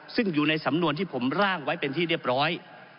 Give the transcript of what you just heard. ซึ่งอยู่ในสำนวนที่ผมร่างไว้เป็นที่เรียบร้อย